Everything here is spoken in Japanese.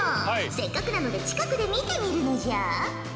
せっかくなので近くで見てみるのじゃ。